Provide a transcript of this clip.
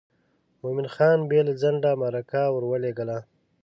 مومن خان بې له ځنډه مرکه ور ولېږله.